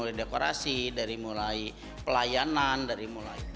mulai dekorasi dari mulai pelayanan dari mulai